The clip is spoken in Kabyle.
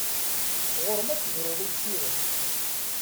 Ɣur-m ad tebruḍ i usirem!